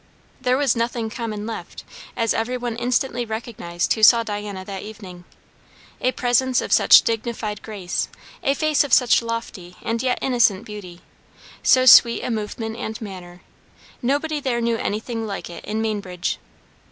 There was nothing common left, as every one instantly recognised who saw Diana that evening. A presence of such dignified grace, a face of such lofty and yet innocent beauty, so sweet a movement and manner, nobody there knew anything like it in Mainbridge.